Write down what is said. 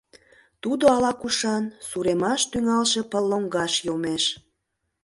Тудо ала-кушан, суремаш тӱҥалше пыл лоҥгаш йомеш.